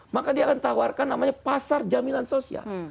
maka dia akan tawarkan namanya pasar jaminan sosial